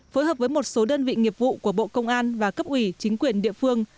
phối hợp với một số đơn vị nghiệp vụ của bộ công an và cấp ủy chính quyền địa phương